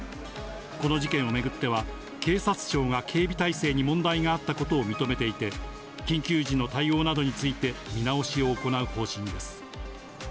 この事件を巡っては、警察庁が警備態勢に問題があったことを認めていて、緊急時の対応などについて、見直しを行う方針です。